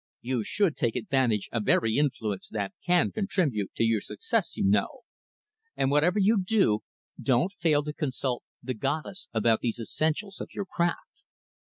You should take advantage of every influence that can contribute to your success, you know. And, whatever you do, don't fail to consult the 'Goddess' about these essentials of your craft.